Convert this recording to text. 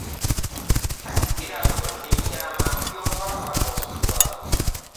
Katikkiro abotodde ekyama ku by'okuwa Kabaka obutwa